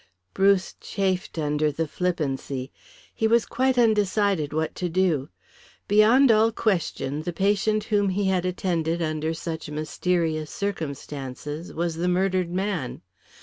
Bruce chafed under the flippancy. He was quite undecided what to do. Beyond all question the patient whom he had attended under such mysterious circumstances was the murdered man.